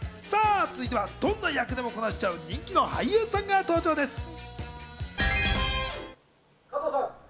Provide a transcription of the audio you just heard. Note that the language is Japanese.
続いてはどんな役でもこなしちゃう人気の俳優さんが登場です。